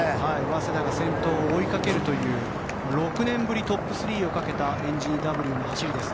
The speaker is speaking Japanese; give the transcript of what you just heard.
早稲田が先頭を追いかけるという６年ぶりトップ３をかけたえんじにＷの走りです。